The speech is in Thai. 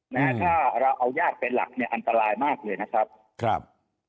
ถ้าเราเอายากเป็นหลักอันตรายมากเลยนะครับ